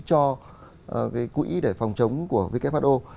cho cái quỹ để phòng chống của who